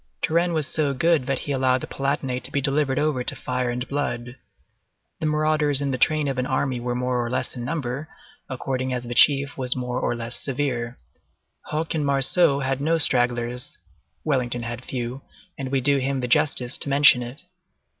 Turenne was so good that he allowed the Palatinate to be delivered over to fire and blood. The marauders in the train of an army were more or less in number, according as the chief was more or less severe. Hoche and Marceau had no stragglers; Wellington had few, and we do him the justice to mention it.